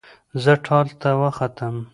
زه ټال ته وختم